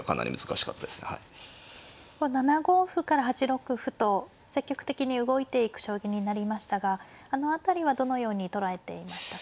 ７五歩から８六歩と積極的に動いていく将棋になりましたがあの辺りはどのように捉えていましたか。